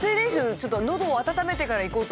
ちょっと喉を温めてから行こうと。